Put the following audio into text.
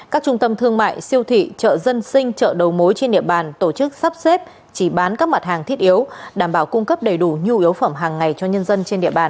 các trung tâm thương mại siêu thị chợ dân sinh chợ đầu mối trên địa bàn tổ chức sắp xếp chỉ bán các mặt hàng thiết yếu đảm bảo cung cấp đầy đủ nhu yếu phẩm hàng ngày cho nhân dân trên địa bàn